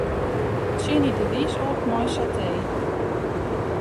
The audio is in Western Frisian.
Tsjinje de rys op mei satee.